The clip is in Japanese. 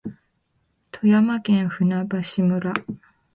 富山県舟橋村